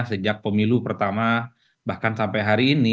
sejak pemilu pertama bahkan sampai hari ini